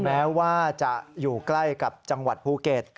แม้ว่าจะอยู่ใกล้กับจังหวัดภูเก็ต